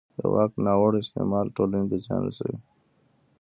د واک ناوړه استعمال ټولنې ته زیان رسوي